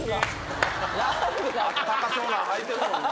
あったかそうなん履いてるもんな。